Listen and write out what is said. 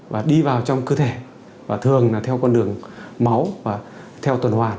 và đi vào trong cơ thể và thường là theo con đường máu và theo tuần hoàn